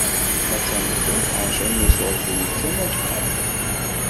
Ma d tameṭṭut, ɛecṛa n iṣurdiyen kan ad qadden.